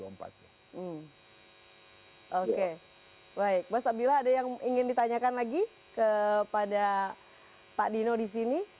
mas abdillah ada yang ingin ditanyakan lagi kepada pak dino disini